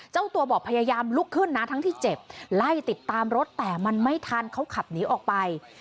เจ้าตัวบอกพยายามลุกขึ้นนะทั้งที่เจ็บไล่ติดตามรถแต่มันไม่ทันเขาขับหนีออกไป